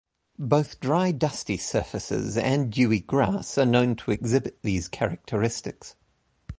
Both dry dusty surfaces and dewy grass are known to exhibit these characteristics.